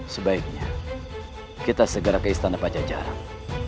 sebaiknya kita segera ke istana pajajaran